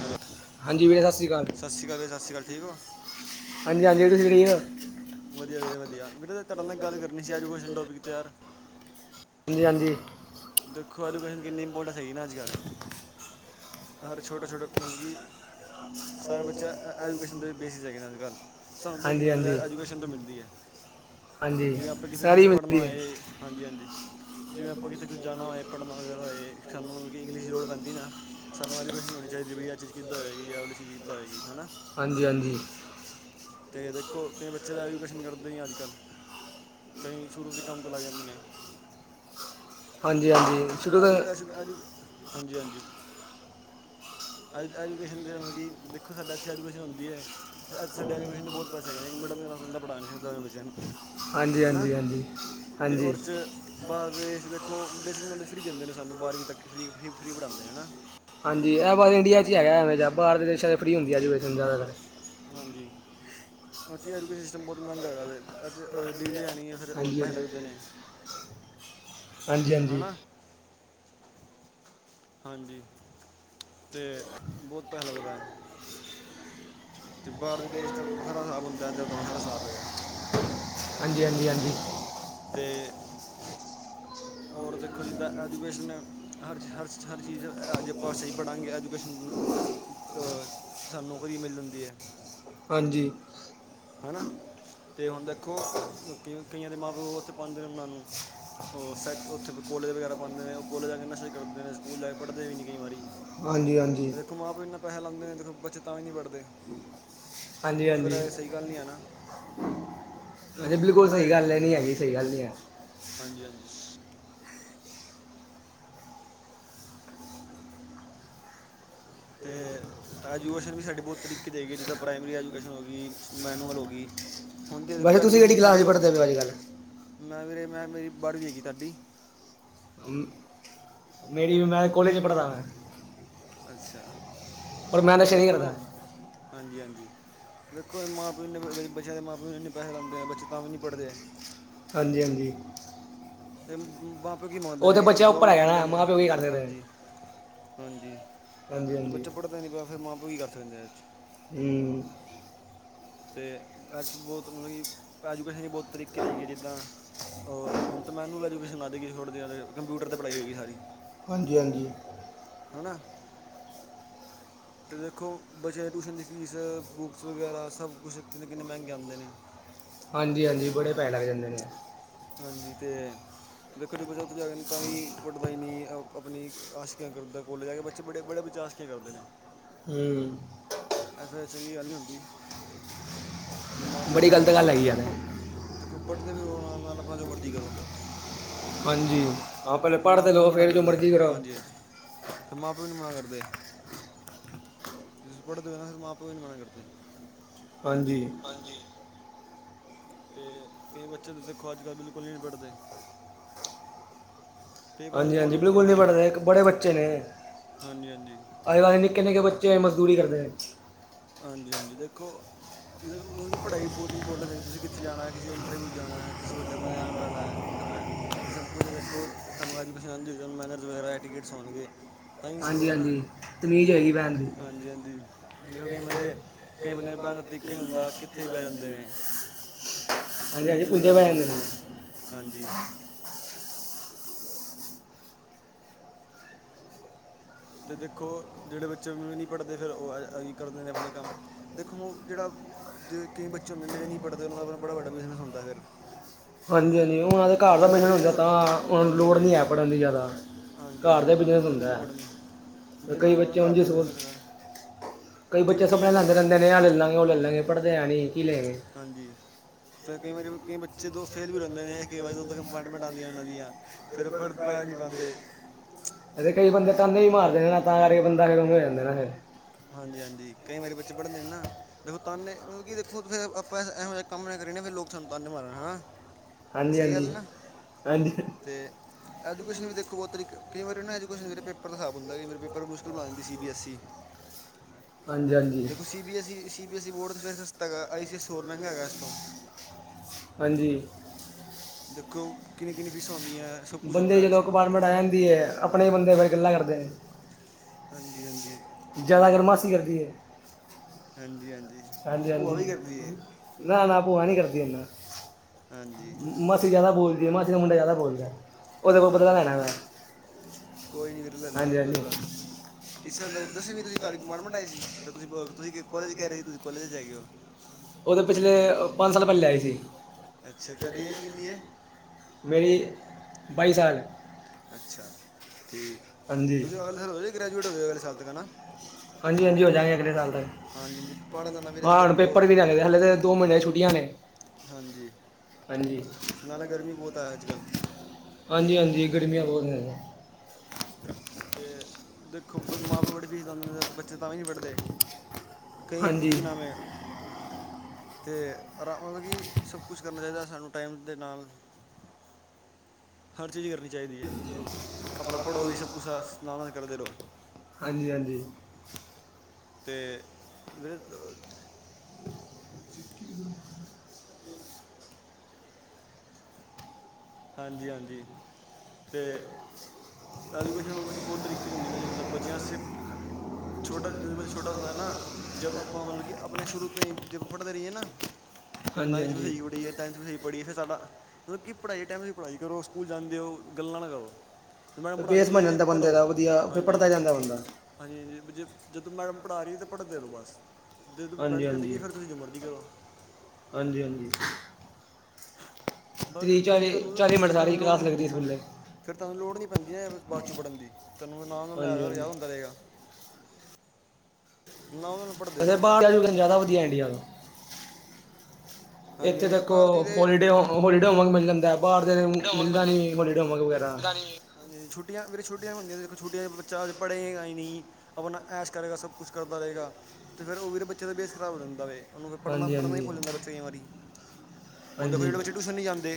Hello. ਹਾਂਜੀ ਵੀਰੇ ਸਤਿ ਸ਼੍ਰੀ ਅਕਾਲ ਸਤਿ ਸ਼੍ਰੀ ਅਕਾਲ। ਭੈ, ਸਤਿ ਸ਼੍ਰੀ ਅਕਾਲ, ਠੀਕ ਹੋ? ਹਾਂਜੀ ਹਾਂਜੀ [unintelligible] ਆ ਵਧੀਆ ਵਧੀਆ ਵਧੀਆ ਵੀਰੇ ਤੁਹਾਡੇ ਨਾਲ ਗੱਲ ਕਰਨੀ ਸੀ ਐਜੂਕੇਸ਼ਨ ਟੋਪਿਕ 'ਤੇ ਯਾਰ ਹਾਂਦੀ-ਹਾਂਜੀ। ਦੇਖੋ ਐਜੂਕੇਸ਼ਨ ਕਿੰਨੀ ਇੰਪੋਰਟੈਂਟ ਹੈਗੀ ਨਾ ਅੱਜ ਕਲ ਹਰ ਛੋਟਾ-ਛੋਟਾ ਵੀ, ਸਾਰਾ ਬੱਚਾ ਐਜੂਕੇਸ਼ਨ ਦੇ ਬੇਸਿਸ ਹੈਗੇ ਨੇ ਅੱਜ-ਕੱਲ। ਸਾਨੂੰ ਦੇਖ ਹਾਂਜੀ ਨੌਲੇਜ ਹਾਂਜੀ ਐਜੂਕੇਸ਼ਨ ਤੋਂ ਮਿਲਦੀ ਹੈ। ਹਾਂਜੀ ਜਿਵੇਂ ਆਪਾਂ ਕਿਤੇ, ਕੁਛ ਸਾਰੀ ਪੜ੍ਹਨਾ ਮਿਲਦੀ ਹੈ ਆਏ ਹਾਂਜੀ ਹਾਂਜੀ ਜਿਵੇਂ ਆਪਾਂ ਕਿਤੇ ਕੁਝ ਜਾਣਾ ਹੋਏ ਪੜ੍ਹਨਾ ਵਗੈਰਾ ਹੋਏ ਸਾਨੂੰ ਮਤਲਬ ਕਿ ਇੰਗਲਿਸ਼ ਦੀ ਲੋੜ ਪੈਂਦੀ ਨਾ ਸਾਨੂੰ ਆਾਰੀ ਪਛ ਨਹੀਂ ਹੋਣੀ ਚਾਹੀਦੀ ਵੀ ਆ ਇਹ ਚੀਜ਼ ਕਿੱਦਾਂ ਹੋਏਗੀ ਆ ਇਹ ਵਾਲੀ ਚੀਜ਼ ਕਿੱਦਾਂ ਹੋਏਗੀ ਹਨਾ ਹਾਂਜੀ ਹਾਂਜੀ ਤੇ ਦੇਖੋ ਕਈ ਬੱਚੇ ਤਾਂ ਐਜੂਕੇਸ਼ਨ ਕਰਦੇ ਨਹੀਂ ਅੱਜ ਕੱਲ ਕਈ ਸ਼ੁਰੂ ਤੋਂ ਹੀ ਕੰਮ ਤੇ ਲੱਗ ਜਾਂਦੇ ਨੇ ਹਾਂਜੀ ਹਾਂਜੀ [unintelligible] ਛੁੱਟੋ ਤਾਂ ਹਾਂਜੀ ਹਾਂਜੀ ਐਜੂਕੇਸ਼ਨ ਦੇ ਮਤਲਬ ਕਿ ਦੇਖੋ ਸਾਡੇ ਇੱਥੇ ਐਜੂਕੇਸ਼ਨ ਹੁੰਦੀ ਐ ਏਥੇ ਸਾਡੇ ਐਜੂਕੇਸ਼ਨ ਦੇ ਬਹੁ ਪੈਸੇ ਹੈਗੇ ਨੇ ਮਿਡਲ ਕਲਾਸ ਬੰਦਾ ਪੜਾ ਨਹੀਂ ਸਕਦਾ ਅਪਨੇ ਬੱਚਿਆਂ ਨੂੰ ਹਾਂਜੀ ਹੈਨਾ ਹਾਂਜੀ ਹਾਂਜੀ ਤੇ ਹਾਂਜੀ ਉਹਦੇ ਚ ਬਾਰ ਦੇਸ਼ ਦੇਖੋ, ਬੇਸਿਕ ਨੌਲੇਜ ਫ੍ਰੀ ਦਿੰਦੇ ਨੇ ਸਾਨੂੰ, ਬਾਰ੍ਹਵੀਂ ਤੱਕ ਫ੍ਰੀ-ਫ੍ਰੀ ਪੜ੍ਹਾਂਦੇ ਨੇ, ਨਾ। ਹਾਂਜੀ ਇਹ ਬਸ ਇੰਡੀਆ ਚ ਹੈਗਾ ਐਵੇਂ ਜੇਹਾ ਬਾਹਰ ਦੇ ਦੇਸ਼ਾਂ ਚ ਫਰੀ ਹੁੰਦੀ ਐਜੂਕੇਸ਼ਨ ਸਾਰਾ ਕੁਛ ਹਾਂਜੀ ਉੱਥੇ ਐਜੂਕੇਸ਼ਨ ਸਿਸਟਮ ਬਹੁਤ ਮਹਿੰਗਾ ਹੈਗਾ ਵੇ ਡਿਗਰੀ ਆਉਣੀ ਨਹੀਂ ਤੇ ਫੇਰ ਹੋਰ ਹਾਂਜੀ ਪੈਸੇ ਹਾਂਜੀ ਲੱਗਦੇ ਨੇ ਹਾਂਜੀ ਹੈ ਹਾਂਜੀ ਨਾ ਹਾਂਜੀ ਤੇ ਬਹੁਤ ਪੈਸਾ ਲੱਗਦਾ ਐ ਅਤੇ ਬਾਹਰਦੇ ਦੇਸ਼ ਦਾ ਵੱਖਰਾ ਸਾਬ ਹੁੰਦਾ, ਇੱਧਰ ਦਾ ਵੱਖਰਾ ਸਾਬ ਹੈਗਾ। ਹਾਂਜੀ-ਹਾਂਜੀ- ਹਾਂਜੀ‌। ਅਤੇ ਹੋਰ ਦੇਖੋ, ਜਿੱਦਾਂ ਐਜੂਕੇਸ਼ਨ ਹਰ, ਹਰ, ਹਰ ਚੀਜ਼, ਹਾਜੇ ਪਾਸੇ ਹੀ ਪੜ੍ਹਾਂਗੇ, ਐਜੂਕੇਸ਼ਨ ਅ ਸਾਨੂੰ ਨੌਕਰੀ ਮਿਲ ਜਾਂਦੀ ਐ ਹਾਂਜੀ। ਹੈ ਨਾ ਤੇ ਹੁਣ ਦੇਖੋ ਕਈਆਂ ਦੇ ਮਾਂ ਪਿਓ ਉੱਥੇ ਪਾਉਂਦੇ ਨੇ ਉਹਨਾਂ ਨੂੰ ਉਹ ਸੈੱਟ ਉੱਥੇ ਕੋਲੇਜ ਵਗੈਰਾ ਪਾਉਦੇ ਨੇ ਉਹ ਕੋਲੇਜ ਵਾਲੇ ਮੈਸੇਜ ਕਰਦੇ ਨੇ ਸਕੂਲ ਜਾ ਕੇ ਪੜ੍ਹਦੇ ਵੀ ਨਹੀਂ ਕਈ ਵਾਰੀ ਹਾਂਜੀ ਹਾਂਜੀ ਦੇਖੋ ਮਾਂ ਪਿਓ ਇਨਾ ਪੈਸਾ ਲਾਉਦੇ ਨੇ ਦੇਖੋ ਬੱਚੇ ਤਾਂ ਵੀ ਨਹੀਂ ਪੜਦੇ ਹਾਂਜੀ ਹਾਂਜੀ ਕੋਈ ਗੱਲ ਨਹੀਂ ਹੈ ਨਾ ਹਾਂਜੀ, ਬਿਲਕੁਲ ਸਹੀ ਗੱਲ ਐ, ਨੀ ਹੈਗੀ, ਸਹੀ ਗੱਲ ਨੀ ਐ। ਹਾਂਜੀ-ਹਾਂਜੀ। ਅਤੇ ਐਜੂਕੇਸ਼ਨ ਵੀ ਸਾਡੇ ਬਹੁਤ ਤਰੀਕੇ 'ਤੇ ਹੈਗੀ, ਜਿੱਦਾਂ ਪ੍ਰਾਇਮਰੀ ਐਜੂਕੇਸ਼ਨ ਹੋ ਗਈ, ਮੈਨੂਅਲ ਹੋ ਗਈ। ਹੁਣ ਦੀ ਵੈਸੇ ਦੇਖੋ ਤੁਸੀਂ ਐਜੂਕੇਸ਼ਨ ਕਿਹੜੀ ਥੋੜਾ ਕਲਾਸ 'ਚ ਜਿਹਾ ਪੜ੍ਹਦੇ ਹੋ ਅੱਜ ਮੈਂ ਵੀੇਰੇ ਮੈਂ ਮੇਰੀ ਬਾਰ੍ਹਵੀ ਹੈਗੀ ਸਾਡੀ ਹੂੰ। ਮੇਰੀ ਮੈਂ ਕੋਲੇਜ ਪੜ੍ਹਦਾ ਮੈਂ ਅੱਛਾ, ਪਰ ਮੈਂ ਨਸ਼ੇ ਨਹੀਂ ਦੇਖੋ ਕਰਦਾ ਹਾਂਜੀ-ਹਾਂਜੀ, ਦੇਖੋ ਮਾਂ-ਪਿਓ ਇੰਨੇ ਬੱਚਿਆਂ ਦੇ ਮਾਂ-ਪਿਓ ਨੂੰ ਇੰਨੇ ਪੈਹੇ ਲਾਂਦੇ ਨੇ, ਬੱਚੇ ਤਾਂ ਵੀ ਨਹੀਂ ਪੜ੍ਹਦੇ। ਹਾਂਜੀ-ਹਾਂਜੀ। ਇਹ ਬਾਂ, ਪਿਓ ਕੀ ਮੰਗਦੇ ਉਹ ਨੇ, ਤੇ ਇੱਕ ਬੱਚਾ ਜੋ ਉੱਪਰ ਵੀ ਹੈਗਾ ਮੰਗਦੇ ਨਾ ਨੇ, ਮਾਂ ਪਿਓ ਕੀ ਕਰ ਸਕਦੇ ਨੇ ਹਾਂਜੀ। ਹਾਂਜੀ। ਹਾਂਜੀ ਹਾਂਜੀ ਬੱਚਾ ਪੜ੍ਹਦਾ ਨਹੀਂ ਪਿਆ, ਫਿਰ ਮਾਂ-ਪਿਓ ਕੀ ਕਰ ਸਕਦੇ ਨੇ, ਐ'ਚ। ਹਮ ਤੇ ਐ'ਚ ਬਹੁਤ ਮਤਲਬ ਕਿ, ਐਜੂਕੇਸ਼ਨ ਦੀ ਬੋਤ ਤਰੀਕੇ ਦੀ ਹੈਗੀ ਆ ਜਿੱਦਾਂ ਉਹ ਹੁਣ ਤਾਂ ਮੈਨੂੰ ਐਜੂਕੇਸ਼ਨ ਆਦੇਗੀ, ਥੋੜੇ ਦਿਨਾਂ ਤਕ, ਕੰਪਿਊਟਰ 'ਤੇ ਪੜ੍ਹਾਈ ਹੋਏਗੀ ਸਾਰੀ। ਹਾਂਜੀ-ਹਾਂਜੀ। ਹਣਾ। ਤੁਹੀ ਦੇਖੋ ਬਚ ਦੀ ਟਿਊਸ਼ਨ ਦੀ ਫੀਸ, ਬੁੱਕਸ ਵਗੈਰਾ ਸਭ ਕੁਛ ਕਿੰਨੇ ਕਿੰਨੇ ਮਹਿੰਗੇ ਆਉਂਦੇ ਨੇ ਹਾਂਜੀ-ਹਾਂਜੀ, ਬੜੇ ਪੈਹੇ ਲੱਗ ਜਾਂਦੇ ਨੇ। ਹਾਂਜੀ ਤੇ ਦੇਖੋ ਦੇਖੋ [unintelligible] ਆਸ਼ਕੀਆਂ ਕਕਰਨੀਆਂ ਕੋਲੇਜ ਜਾ ਕੇ ਬੱਚ ਬੜੇ ਬੜੇ [unintelligible] ਕਿ ਕਰਦੇ ਨੇ ਹੂੰ ਐ ਫੇਰ ਚੰਗੀ ਗੱਲ ਨਹੀਂ ਹੁੰਦੀ ਦਿਮਾਗ ਬੜੀ ਤੁਹਾਡੇ ਨੇ ਗਲਤ ਤੇ ਗੱਲ ਪੜ੍ਹੋ ਹੈਗੀ ਯਾਰ ਦੇਖੋ ਦੇਖੋ ਪੜ੍ਹਦੇ ਵੀ ਰਹੋ ਨਾਲ ਨਾਲ ਆਪਣਾ ਜੋ ਮਰਜ਼ੀ ਕਰੋ ਹਾਂਜੀ ਹਾਂ ਪਹਿਲੇ ਫਿਰ ਪੜ੍ਹ ਮਾਂ ਤੇ ਪਿਓ ਨੂੰ ਲਓ ਮਨਾ ਫਿਰ ਜੋ ਕਰਦੇ ਮਰਜ਼ੀ ਕਰੋ ਹਾਂਜੀ ਫਿਰ ਮਾਂ ਪਿਓ ਵੀ ਨਹੀ ਮਨਾ ਕਰਦੇ ਤੁਸੀ ਪੜ੍ਹ ਦੇ ਓ ਨਾ ਫੇਰ ਮਾਂ ਪਓ ਵੀ ਨਹੀਂ ਮਨਾ ਕਰਦੇ ਹਾਂਜੀ ਹਾਂਜੀ। ਤੇ ਕਈ ਬੱਚੇ ਤਾਂ ਦੇਖੋ ਅੱਜ ਕੱਲ ਬਿਲਕੁਲ ਵੀ ਨਹੀਂ ਪੜ੍ਹਦੇ ਪੇਪਰਾਂ ਦੇ ਕੋਲ ਹਾਂਜੀ-ਹਾਂਜੀ, ਵੀ ਬਿਲਕੁਲ ਨਹੀਂ ਪੜ੍ਹਦੇ ਪੜਦੇ, ਬੜੇ ਬੱਚੇ ਨੇ। ਹਾਂਜੀ ਹਾਂਜੀ ਅੱਜ ਕੱਲ੍ਹ ਨਿੱਕੇ ਨਿੱਕੇ ਬੱਚੇ ਮਜ਼ਦੂਰੀ ਕਰਦੇ ਨੇ ਹਾਂਜੀ ਹਾਂਜੀ ਦੇਖੋ ਮੇਰਾ ਮਤਲਬ ਕਿ ਪੜ੍ਹਾਈ ਬਹੁਤ ਇੰਪੋਰਟੈਂਟ ਹੈ ਤੁਸੀਂ ਕਿੱਥੇ ਜਾਣਾ ਕਿਸੇ ਇੰਟਰਵਿਊ ਜਾਣਾ ਕਿਸੇ ਵੱਡੇ ਬੰਦੇ ਨਾਲ ਬਹਿਣਾ ਉੱਠਣਾ ਹੈ ਸਭ ਕੁਛ ਦੇਖੋ ਤੁਹਾਨੂੰ ਅੱਜ ਪਹਿਚਾਨ ਮੈਨਰਸ ਵਗੈਰਾ ਐਟਿਕੇਟਸ ਹੋਣਗੇ ਤਾਂ ਹੀ ਹਾਂਜੀ ਸਿੱਖੋਗੇ ਨਾ, ਹਾਂਜੀ ਤਮੀਜ਼ ਹੋਏਗੀ ਭੈਣ ਦੀ ਹਾਂਜੀ-ਹਾਂਦੀ। ਦੇਖੋ ਕਈ ਬੰਦੇ, ਕਈ ਬੰਦੇ ਨੂੰ ਪੈਣ ਦਾ ਤਰੀਕਾ ਨੀ ਹੁੰਦਾ, ਕਿੱਥੇ ਬੈ ਜਾਂਦੇ ਨੇ। ਹਾਂਜੀ ਹਾਂਜੀ ਕਿੱਥੇ ਵੀ ਪੁੰਜੇ ਗੰਧ ਪੈ ਪਾਉਂਦੇ ਜਾਂਦੇ ਨੇ ਹਾਂਜੀ ਅਤੇ ਦੇਖੋ, ਜਿਹੜੇ ਬੱਚੇ ਨਹੀਂ ਪੜ੍ਹਦੇ ਫਿਰ ਉਹ ਆਹੀ ਕਰਦੇ ਨੇ ਆਪਣੇ ਕੰਮ। ਦੇਖੋ ਜਿਹੜਾ ਜੇ ਕਈ ਬੱਚੇ ਹੁੰਦੇਨ, ਜਿਹੜੇ ਨਹੀਂ ਪੜ੍ਹਦੇਨ, ਓਹਨਾਂ ਦਾ ਬੜਾ ਵੱਡਾ ਬੀਜ਼ਨਸ ਹੁੰਦਾ, ਫਿਰ। ਹਾਂਜੀ-ਹਾਂਜੀ, ਉਹਨਾਂ ਦੇ ਘਰ ਦਾ ਜਿਹਨਾਂ ਬਿਜਨ ਬਿਜ਼ਨਸ ਹੁੰਦਾ, ਤਾਂ ਓਹਨਾ ਨੂੰ ਹਾਂਜੀ ਲੋੜ ਹਾਂਜੀ ਨੀ ਹੈ, ਪੜਨ ਦੀ ਜਾਦਾ। ਹਾਂਜੀ ਘਰ ਹਾਂਜੀ ਉਹਨਾਂ ਦਾ ਨੂੰ ਬਿਜ਼ਨਸ ਲੋੜ ਨਹੀਂ ਹੁੰਦਾ ਹੁੰਦੀ ਪੜ੍ਹਨ ਦੀ ਹੈ ਜਿਹਨਾਂ ਕਈ ਦਾ ਆਪਣਾ ਬੱਚੇ ਘਰ ਉਂਝ ਦਾ ਬਿਜ਼ਨਸ ਹੈਗਾ ਕਈ ਜੀ ਬੱਚੇ ਕਈਆਂ ਸਪਨੇ ਕੋਲ ਲੈਂਦੇ ਪੈਸਾ ਰੈਂਦੇ ਨੇ, ਆਹ ਲੈ ਲਾਂਗੇ, ਉਹ ਲ੍ਹੈ ਲਾਂਗੇ, ਪੜ੍ਹਦੇ ਹੈ ਨੀ, ਕੀ ਲੈ ਗਏ ਹਾਂਜੀ ਫਿਰ ਕਈ ਵਾਰੀ, ਕਈ ਬੱਚੇ ਦੋ ਫੇਲ ਵੀ ਰਹਿੰਦੇ ਨੇ, ਕਈ ਵਾਰੀ ਦੋੋਂ ਕੰਪਾਰਮੇਂਟ ਆਂਦੀਆ ਉਹਨਾ ਦੀਆਂ। ਫਿਰ ਓਹ ਪੜ ਤਾਂ ਨਹੀਂ ਪਾਉਂਦੇ ਅੱਛਾ ਕਈ ਬੰਦੇ ਤਾਨੇ ਵੀ ਮਾਰਦੇ ਨੇ ਨਾ ਤਾਂ ਕਰਕੇ ਬੰਦਾ ਲੜਨ ਨੂੰ ਹੋ ਜਾਂਦਾ ਏ ਨਾ ਫੇਰ ਹਾਂਜੀ- ਹਾਂਜੀ ਕਈ ਵਾਰੀ ਬੱਚੇ ਪੜ੍ਹਨ ਦੇ ਨੇ ਨਾ ਦੇਖੋ ਤਾਨੇ, ਮਤਲਬ ਕਿ ਦੇਖੋ ਫਿਰ ਆਪਾਂ ਇਹੋ ਜਿਹਾ ਕੰਮ ਨਾ ਕਰੀਏ, ਫਿਰ ਲੋਕ ਸਾਨੂੰ ਤਾਂਨੇ ਮਾਰਨ ਹਨਾ। ਹਾਂਜੀ ਸਹੀ ਹਾਂਜੀ ਗੱਲ ਨਾ, ਹਾਂਜੀ ਤੇ ਐਜੂਕੇਸ਼ਨ ਵੀ ਦੇਖੋ ਬਹੁਤ ਤਰੀ--ਕੇ ਕਈ ਵਾਰੀ ਨਾ ਐਜਕੇਸ਼ਨ ਪੇਪਰ ਤਾਂ ਖਰਾਬ ਹੁੰਦਾ ਕਿ, ਫਿਰ ਪੇਪਰ ਮੁਸ਼ਕਿਲ ਬਣਾ ਦਿੰਦੀ ਸੀਬੀਐੱਸ ਈ। ਹਾਂਜੀ-ਹਾਂਜੀ। ਦੇਖੋ C B S E, C B S E board ਫਿਰ ਸਸਤਾ ਹੈਗਾ, ਆਈ ਸੀ ਐੱਸ, ਹੋਰ ਮੈਂਗਾ ਹੈਗਾ ਇਸ ਤੋਂ। ਹਾਂਜੀ ਦੇਖੋ ਕਿੰਨੀ-ਕਿੰਨੀ ਫੀਸਾਂ ਹੁੰਦੀਆਂ ਸਭ ਕੁਛ ਹੁੰਦਾ ਇਹਦੇ 'ਚ ਪੜਾ ਜਾਂਦੀ ਹੈ। ਆਪਣੇ ਬੰਦੇ ਫਿਰ ਗੱਲਾਂ ਕਰਦੇ ਨੇ। ਹਾਂਜੀ- ਹਾਂਜੀ। ਜ਼ਿਆਦਾ ਕਰ ਮਾਸੀ ਕਰਦੀ ਹੈ। ਹਾਂਜੀ-ਹਾਂਜੀ ਭੂ ਭੂਆ ਵੀ ਕਰਦੀ ਹੈ। ਨਾ-ਨਾ ਭੂਆ ਨਹੀਂ ਕਰਦੀ ਹੈ ਹਾਂਜੀ ਮਾਸੀ ਜ਼ਿਆਦਾ ਬੋਲਦੀ ਹੈ ਮਾਸੀ ਮੁੰਡਾ ਜ਼ਿਆਦਾ ਬੋਲਦਾ ਹੈ। ਉਹਦੇ ਕੋਲੋ ਬਦਲਾ ਲੈਣਾ ਮੈਂ ਕੋਈ ਨਹੀਂ ਵੀਰੇ ਲੈ ਲੈਣਾ ਹਾਂਜੀ- ਤੁਸੀਂ ਹਾਂਜੀ ਬਦਲਾ ਇਸ ਤਰ੍ਹਾਂ ਦੱਸਵੀ ਤੁਸੀਂ ਤੁਹਾਡੀ ਕਮਾਰਟਮਟ ਆਏ ਸੀ ਤਾਂ ਤੁਂ ਤੁਸੀਂ ਕ ਕੋਲੇਜ 'ਚ ਰਹੇ ਸੀ ਤੁਸੀਂ ਕੋਲੇਜ 'ਚ ਜਾ ਗਏ ਹੋ। ਉਹਦੇ ਪਿਛਲੇ ਪੰਜ ਸਾਲ ਪਹਿਲੇ ਆਈ ਸੀ। ਅੱਛਾ ਤੁਹਾਡੀ ਏਜ ਕਿੰਨੀ ਹੈ ਮੇਰੀ, ਬਾਈ ਸਾਲ। ਅੱਛਾ ਠੀਕ ਹਾਂਜੀ 'ਤੁਸੀਂ ਅਗਲੇ ਸਾਲ ਹੋ ਗ੍ਰੈਜੂਏਟ ਹੋ ਅਗਲੇ ਸਾਲ ਤਕ ਹਨਾਂ। ਹਾਂਜੀ ਹਾਂਜੀ ਹੋ ਜਾਂਗੇ ਅਗਲੇ ਸਾਲ ਪਹਾੜਾਂ ਦਾ ਨਾ ਤੱਕ। ਵੀਰੇ ਹਾਂ ਹੁਣ ਦੇਖੋ ਪੇਪਰ ਵੀ ਲੈਣੇ ਹਲੇ ਤਾਂ ਦੋ ਮਹੀਨੇ ਛੁਟੀਆਂ ਨੇ। ਹਾਂਜੀ ਨਾਲ ਗਰਮੀ ਬਹੁਤ ਆਇਆ ਅੱਜ ਕੱਲ੍ਹ। ਹਾਂਜੀ-ਹਾਂਜੀ ਗਰਮੀਆਂ ਬਹੁਤ ਨੇ। ਅਤੇ ਦੇਖੋ ਮਾਂ ਪਿਓ ਬੜੀ ਫੀਸ ਲਾਦੇ ਨੇ ਬੱਚੇ ਤਾਂ ਨਹੀਂ ਪੜ੍ਹਦੇ। ਕਈ ਤੇ ਹਾਂਜੀ ਕੀ ਨਾਮ ਏ। ਅਤੇ ਰਾਰਾ ਮਤਲਬ ਕਿ ਸਭ ਕੁਛ ਕਰਨਾ ਚਾਹੀਦਾ ਸਾਨੂੰ ਟਾਈਮ ਦੇ ਨਾਲ ਹਰ ਚੀਜ਼ ਕਰਨੀ ਚਾਹੀਦੀ ਹੈ ਆਪਣਾ ਪੜੋ ਵੀ ਸਭ ਕੁਛ ਦਾ ਸਲਾਹਾਂ ਵੀ ਕਰਦੇ ਰਹੋ। ਹਾਂਜੀ -ਹਾਂਜੀ ਤੇ ਵੀ ਹਾਂਜੀ- ਹਾਂਜੀ ਤੇ ਐਜੂਕੇਸ਼ਨ ਮਤਲਬ ਕਿ ਬਹੁਤ ਤਰੀਕੇ ਦੀ ਹੁੰਦੀ ਨਾ ਜਿਸਾਂ ਬੱਚਿਆ ਸ ਛੋਟਾ ਜਿ ਬੱਚਾ ਛੋਟਾ ਹੁੰਦਾ ਨਾ। ਜਬ ਆਪਾਂ ਮਤਲਬ ਆਪਾਂ ਆਪਣੇ ਸ਼ੁਰੂ ਤੋਂ ਹੀ ਜੇ ਪੜ੍ਹਦੇ ਰਹੀਏ ਨਾ ਫਿਰ ਹਾਂਜੀ ਨਾਈਨਥ ਵੀ ਹਾਂਜੀ ਸਹੀ ਬੜੀ ਏ। ਟੈਂਨਥ ਵੀ ਸਹੀ ਪੜ੍ਹੀਏ ਫਿਰ ਸਾਡਾ ਮਤਲਬ ਕੀ ਪੜ੍ਹਾਈ ਹੈ ਟੈਮ ' ਦੀ ਪੜ੍ਹਾਈ ਕਰੋ ਸਕੂਲ ਜਾਂਦੇ ਹੋ ਗੱਲਾਂ ਨਾ ਕਰੋ। ਮੈਮ ਬੇਸ ਪੜ੍ਹਾਉਂਦੀ ਬਣ ਹੈ ਜਾਂਦਾ ਬੰਦੇ ਪੜ੍ਹੋ ਦਾ ਵਧੀਆ ਫਿਰ ਹਾਂਜੀ'। ਪੜਦਾ ਜਾਂਦਾ ਬੰਦਾ ਹਾਂਜੀ- ਹਾਂਜੀ ਜ ਜਦੋਂ ਮੈਡਮ ਪੜ੍ਹਾ ਰਹੀ ਤਾਂ ਪੜ੍ਹਦੇ ਰਹੋ ਬਸ। ਜਦ ਹਾਂਜੀ ਬੈਨੀਫਿਟ ਗਈ ਹਾਂਜੀ ਫਿਰ ਤੁਸੀਂ ਜੌ ਮਰਜ਼ੀ ਕਰੋ। ਹਾਂਜੀ ਹਾਂਜੀ। ਬਸ ਜ ਤੀਹ ਫਿਰ ਚਾਲੀ ਤੁਹਾਨੂੰ ਚਾਲੀ ਮਿੰਟ ਫਿਰ ਤੁਹਾਨੂੰ ਸਾਰੀ ਲੋੜ ਕਲਾਸ ਨਹੀਂ ਲੱਗਦੀ ਸਕੂਲੇ ਹਾਂਜੀ ਫਿਰ ਤੁਹਾਨੂੰ ਲੋੜ ਨਹੀਂ ਪੈਂਦੀ ਹੈ ਬਾਅਦ ਚੋਂ ਵੜਨ ਦੀ ਤਹਾਨੂੰ ਨਾਲ ਹਾਂਜੀ -ਨਾਲ ਹਾਂਜੀ ਯਾਦ ਹੁੰਦਾ ਰਹੇਗਾ। ਨਾਲ ਨਾਲ ਪੜ੍ਹਦੇ ਹ ਰਹੋ ਬਾਹਰ ਵੱਲ ਫਿਰ ਜ਼ਿਆਦਾ ਵਧੀਆ ਇੰਡੀਆ ਤੋ। ਹਾਂਜੀ ਇੱਥੇ ਹਾਂਜੀ ਫਿਰ ਤੱਕ ਬਾਹਰ ਦੀ ਦੇ ਪੋਲੀਡੇ ਹੋ ਹੋਲੀ ਡੋਹੋਮ ਵਰਕ ਮਿਲ ਜਾਂਦਾ ਬਾਹਰ ਦੇ ਮਿਲਦਾ ਨਹੀਂ ਹੋਲੀ ਡੇ ਹੋਮ ਵਰਕ ਵਗੈਰਾ। ਦਾ ਨਹੀਂ ਹਾਂਜੀ ਛੁੱਟੀਆਂ ਵੀਰੇ ਛੁੱਟੀਆਂ ਚ ਬੱਚਾ ਹਜੇ ਪੜ੍ਹੇਗਾ ਹੀ ਨਹੀਂ। ਆਪਣਾ ਐਸ਼ ਕਰੇਗਾ ਸਭ ਕੁਛ ਕਰਦਾ ਰਹੇਗਾ ਅਤੇ ਫਿਰ ਉਹ ਵੀ ਬੱਚੇ ਦਾ ਬੇਸ ਖ਼ਰਾਬ ਰਹਿੰਦਾ ਵਵੇ ਉਹਨੂੰ ਫਿਰ ਪੜ੍ਹਨਾ ਹਾਂਜੀ ਪੜ੍ਹਨਾ ਹੀ ਹਾਂਜੀ ਭੁਲ ਜਾਂਦਾ ਬੱਚੇ ਕਈ ਵਾਰੀ ਹੁਣ ਦੇਖੋ ਹਾਂਜੀ ਜਿਹੜੇ ਬੱਚੇ ਟਿਊਸ਼ਨ ਨਹੀਂ ਜਾਂਦੇ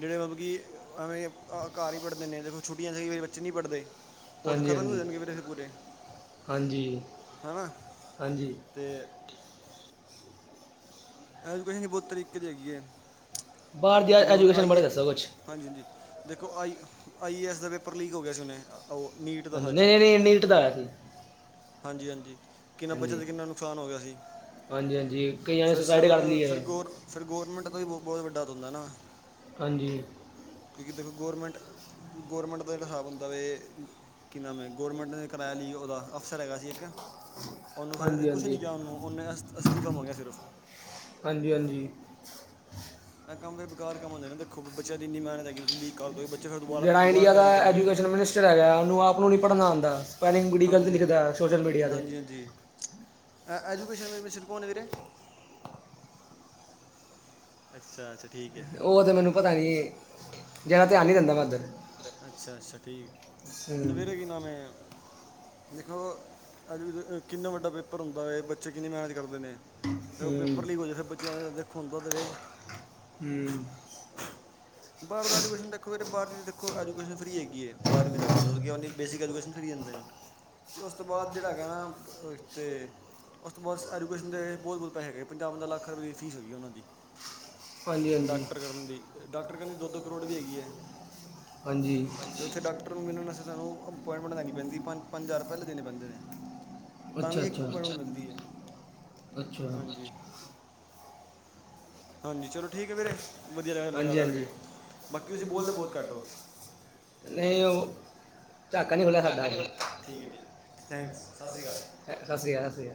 ਜਿਹੜੇ ਮਤਲਬ ਕਿ ਐਵੇਂ ਘਰ ਹੀ ਪੜ੍ਹਦੇ ਨੇ ਦੇਖੋ ਛੁੱਟੀਆਂ ਬੱਚੇ ਨਹੀਂ ਪੜ੍ਹਦੇ। ਉਹ ਹਾਂਜੀ ਖ਼ਤਮ ਹੋ ਹਾਂਜੀ ਜਾਣਗੇ ਵੀਰੇ ਫਿਰ ਪੂਰੇ ਹਾਂਜੀ ਹੈਨਾ। ਹਾਂਜੀ ਤੇ ਐਜੂਕੇਸ਼ਨ ਬਹੁਤ ਤਰੀਕੇ ਦੀ ਹੈਗੀ ਹੈ, ਬਾਹਰ ਦੀ ਜਿਵੇਂ ਹੁਣ ਐਜੂਕੇਸ਼ਨ ਆਈ ਬਾਰੇ ਏ ਦੱਸੋ ਕੁਛ ਹਾਂਜੀ ਹਾਂਜੀ, ਦੇਖੋ ਆਈ ਆਈ ਏ ਐੱਸ ਦਾ ਪੇਪਰ ਲੀਕ ਹੋ ਗਿਆ ਸੀ ਹੁਣੇ, ਓ ਨੀਟ ਦਾ ਸੱਚ। ਏ ਨੀਟ ਦਾ ਏ। ਹਾਂਜੀ ਹਾਂਜੀ ਕਿੰਨਾ ਬੱਚਿਆਂ ਹਾਂਜੀ ਦਾ ਕਿੰਨਾ ਨੁਕਸਾਨ ਹੋ ਗਿਆ ਸੀ, ਹਾਂਜੀ ਹਾਂਜੀ ਕਈਆਂ ਨੇ ਫਿਰ ਸਿਰਫ, ਸੁਸਾਈਡ ਕਰ ਲਈ ਫਿਰ ਹੈ ਗੋਰ ਫਿਰ ਗੋਵਰਨਮੈਂਟ ਦਾ ਵੀ ਬਹੁਤ -ਬਹੁਤ ਵੱਡਾ ਬੰਦਾ ਐ ਨਾ। ਹਾਂਜੀ। ਕਿਉਂਕਿ ਦੇਖ ਗੌਰਮੈਂਟ ਗੌਰਮੈਂਟ ਦਾ ਹਿਸਾਬ ਹੁੰਦਾ ਵੀ ਕਿੰਨਾ ਮੈਂ ਗੌਰਮੈਂਟ ਨੇ ਕਰਾਇਆ ਲਈ ਉਹਦਾ ਅਫਸਰ ਹੈਗਾ ਸੀ ਇੱਕ, ਉਹਨੂੰ ਫਿਰ ਹਾਂਜੀ ਕੁਛ ਹਾਂਜੀ ਨਹੀਂ ਕਿਹਾ, ਉਹਨੂੰ ਉਹਨੇ ਅਸ ਅਸਤੀਫਾ ਮੰਗਿਆ ਸਿਰਫ ਹਾਂਜੀ ਹਾਂਜੀ ਇਹ ਕੰਮ ਬਕਾਰ ਕੰਮ ਹੁੰਦੇ, ਦੇਖੋ ਬੱਚਿਆਂ ਦੀ ਇੰਨੀ ਮਿਨਹਤ ਹੈਗੀ, ਤੁਸੀਂ ਲੀਕ ਕਰਦੋ ਬ ਜਿੜਾ ਇੰਡੀਆ ਦਾ ਐਜੂਕੇਸ਼ਨ ਮਿਨਿਸਟਰ ਹੈਗਾ ਉਹਨੂੰ ਆਪ ਨੂੰ ਨੀ ਪੜ੍ਹਨ ਆਉਂਦਾ, ਸਪੈਲਿੰਗ ਬੜੀ ਗਲਤ ਲਿਖਦਾ ਸੋਸ਼ਲ ਮੀਡੀਆ ਤੇ ਜੀ ਐਜੂਕੇਸ਼ਨ ਮਿਨਿਸਟਰ ਕੋਣ ਐ ਵੀਰੇ। ਅੱਛਾ ਅੱਛਾ ਠੀਕ ਹੈ। ਉਹ ਤਾਂ ਮੈਨੂੰ ਪਤਾ ਨਹੀਂ, ਜਾਦਾ ਧਿਆਨ ਨਹੀਂ ਦਿੰਦਾ ਮੈਂ ਇੱਧਰ ਅੱਛਾ ਅੱਛਾ ਠੀਕ 'ਤੇ ਫਿਰ ਕੀ ਨਾਂਮ ਹੈ? ਦੇਖੋ ਅੱਜ ਕਿੰਨਾ ਵੱਡਾ ਪੇਪਰ ਹੁੰਦਾ ਇਹ, ਬੱਚੇ ਕਿੰਨੀ ਮੇਹਨਤ ਕਰਦੇ ਨੇ ਫਿਰ ਉਹ ਪੇਪਰ ਲੀਕ ਹੂੰ ਹੋ ਜਾਏ, ਫਿਰ ਬੱਚਿਆਂ ਦੇ, ਦੇਖੋਂ ਹੁਂਦੇ ਨੇ ਹੂ ਬਾਹਰ ਦਾ ਐਜੂਕੇਸ਼ਨ ਦੇਖੋ, ਬਾਹਰ ਦੀ ਅਜੂਕੇਸ਼ਨ ਫ੍ਰੀ ਹੈਗੀ ਬਾਰਵੀਂ ਤੱਕ। ਮਤਲਬ ਕਿ ਆਪਣੀ ਬੇਸਿਕ ਐਜੂਕੇਸ਼ਨ ਫ੍ਰੀ ਜਾਂਦੇ ਨੇ, ਤੇ ਉਸ ਤੋਂ ਬਾਅਦ ਜਿਹੜਾ ਹੈਗਾ ਨਾ ਅਤੇ ਉਸ ਤੋਂ ਬਾਅਦ ਐਜੂਕੇਸ਼ਨ ਦੇ ਵਿੱਚ ਬਹੁਤ ਬਹੁਤ ਪੈਸੇ ਹੈਗੇ, ਪੰਜਾਹ ਪੰਜਾਹ ਲੱਖ ਰਪਏ ਫੀਸ ਗਈ ਉਹਨਾਂ ਦੀ! ਹਾਂਜੀ ਹਾਂਜੀ ਡਾਕਟਰ ਕਰਨ ਦੀ ਅਤੇ ਡਾਕਟਰ ਕਹਿੰਦੇ ਦੋ ਦੋ ਕਰੋੜ ਵੀ ਹੈਗੀ ਹੈ, ਹਾਂਜੀ ਉੱਥੇ ਡਾਕਟਰ ਨੂੰ ਮਿਲਣ ਵਾਸਤੇ ਸਾਨੂੰ ਅਪੋਇਟਮੈਂਟ ਲੈਣੀ ਪੈਂਦੀ, ਪੰਜ ਹਜਾਰ ਪਹਿਲੇ ਦੇਣੇ ਪੈਂਦੇ ਨੇ ਤਾਂ ਅੱਛਾ ਵੀ ਇੱਕ ਅੱਛਾ ਅੱਪੋਇੰਟਮੈਂਟ ਮਿਲਦੀ ਹੈ ਅੱਛਾ ਹਾਂਜੀ। ਹਾਂਜੀ ਚਲੋ ਠੀਕ ਹੈ ਵੀਰੇ, ਵਧੀਆ ਲਗਇਆ ਤੁਹਾਡੇ ਨਾਲ ਹਾਂਜੀ ਗੱਲ ਹਾਂਜੀ ਕਰਕੇ, ਬਾਕੀ ਤੁਸੀਂ ਬੋਲਦੇ ਬਹੁਤ ਘੱਟ ਹੋ ਨਹੀਂ ਉਹ, ਝਾਕਾ ਨਹੀਂ ਖੁੱਲਾਂ ਸਾਡਾ ਝਾਕਾ ਹਜੇ, ਨਹੀਂ ਠੀਕ ਹੈ ਠੀਕ ਮੈਂ ਥੈਂਕਸ ਸਤਿ ਸੁੱਤਾ ਸ਼੍ਰੀ ਅਕਾਲ ਸੀਗਾ। ਸਤਿ ਸ੍ਰੀ ਅਕਾਲ, ਸਤਿ ਸ੍ਰੀ ਅਕਾਲ